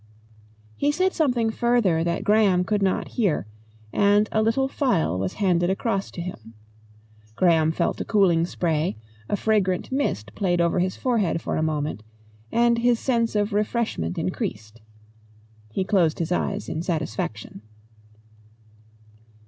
He said, something further that Graham could not hear, and a little phial was handed across to him. Graham felt a cooling spray, a fragrant mist played over his forehead for a moment, and his sense of refreshment increased. He closed his eyes in satisfaction.